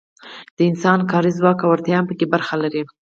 د انسان کاري ځواک او وړتیا هم پکې برخه لري.